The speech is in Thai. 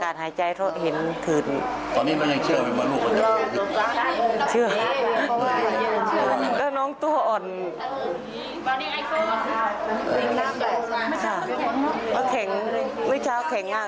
ค่ะวิชาวเข็งง่ายไปกันอีกก่อนแล้ว